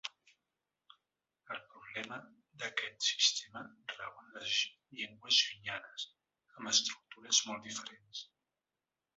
El problema d’aquest sistema rau en les llengües llunyanes, amb estructures molt diferents.